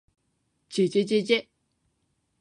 ｗ じぇじぇじぇじぇ ｗ